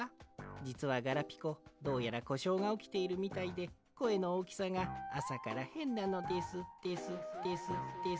じつはガラピコどうやらこしょうがおきているみたいでこえのおおきさがあさからへんなのですですですです。